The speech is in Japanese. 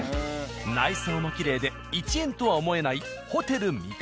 内装もきれいで１円とは思えない。